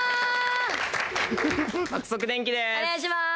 爆速電気です。